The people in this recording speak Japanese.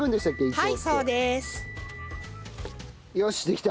はい。